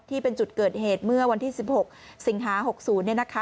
ที่เป็นจุดเกิดเหตุเมื่อวันที่๑๖สิงหา๖๐เนี่ยนะคะ